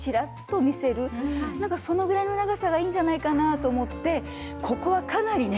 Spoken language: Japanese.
なんかそのぐらいの長さがいいんじゃないかなと思ってここはかなりね